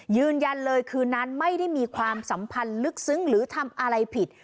ยืนยันเลยคืนนั้นไม่ได้มีความสัมพันธ์ลึกซึ้งหรือทำอะไรผิด